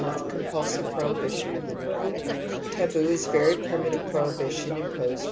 with the compxilsive prohibition of the neurotic. ^(( Taboo is a very primitive prohibition imposed"?